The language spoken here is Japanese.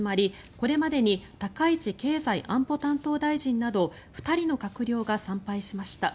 これまでに高市経済安保担当大臣など２人の閣僚が参拝しました。